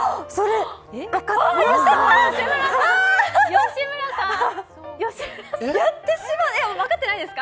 吉村さん分かってないですか？